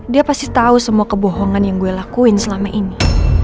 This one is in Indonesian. dia pasti tahu semua kebohongan yang gue lakuin selama ini